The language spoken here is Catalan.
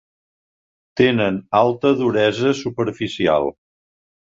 Tenen alta duresa superficial.